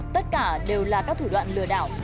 tất cả đều là các thủ đoạn lừa đảo